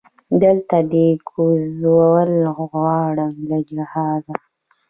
دلته دی کوزول غواړي له جهازه